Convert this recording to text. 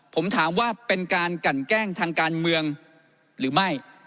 ผมถามว่าเป็นการกันแกล้งทางการเมืองหรือไม่